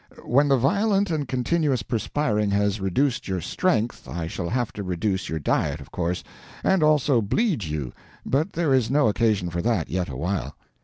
When the violent and continuous perspiring has reduced your strength, I shall have to reduce your diet, of course, and also bleed you, but there is no occasion for that yet awhile."